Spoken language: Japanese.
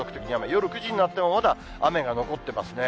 夜９時になっても、雨が残ってますね。